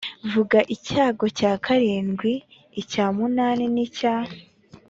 vuga icyago cya karindwi icya munani n icya